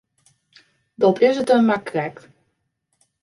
Dat is it him mar krekt.